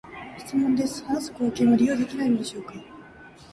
質問です、話す貢献は利用できないのでしょうか？